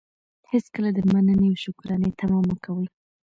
هېڅکله د منني او شکرانې طمعه مه کوئ!